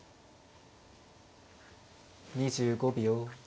２５秒。